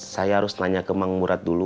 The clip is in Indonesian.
saya harus nanya ke mang murad dulu